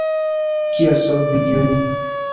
Kiel solvi ilin?